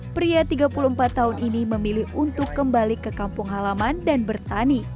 pria tiga puluh empat tahun ini memilih untuk kembali ke kampung halaman dan bertani